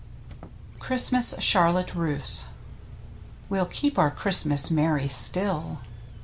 ^ CHRISTMAS CHARLOTTE RUSSE We'll keep our Christmas merry still.